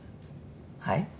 はい？